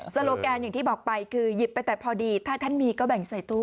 โลแกนอย่างที่บอกไปคือหยิบไปแต่พอดีถ้าท่านมีก็แบ่งใส่ตู้